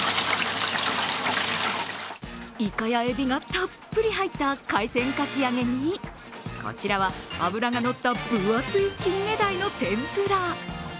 イカやエビがたっぷり入った海鮮かき揚げにこちらは、脂がのった分厚い金目鯛の天ぷら。